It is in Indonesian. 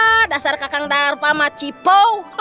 ah dasar kakang darpa mak cipo